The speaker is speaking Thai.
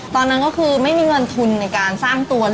ตอนนั้นก็คือไม่มีเงินทุนในการสร้างตัวเลย